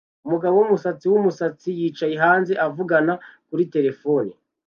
Umugabo wumusatsi wumusatsi yicaye hanze avugana kuri terefone